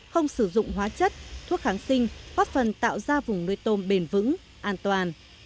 không sử dụng hóa chất thuốc kháng sinh góp phần tạo ra vùng nuôi tôm bền vững an toàn